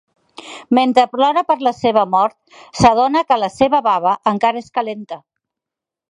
Mentre plora per la seva mort, s"adona que la seva bava encara és calenta.